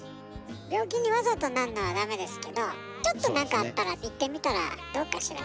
病気にわざとなるのはダメですけどちょっとなんかあったら行ってみたらどうかしらね。